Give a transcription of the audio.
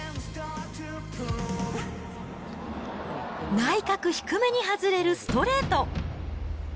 内角低めに外れるストレート。